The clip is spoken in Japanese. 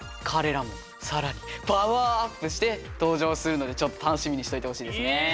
かれらもさらにパワーアップしてとうじょうするのでちょっとたのしみにしといてほしいですね。